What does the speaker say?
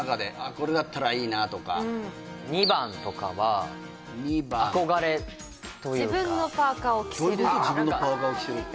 これだったらいいなとか２番とかは憧れというか「自分のパーカーを着せる」どういうこと？